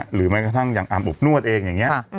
หรือแบบอาบอบนวดเอง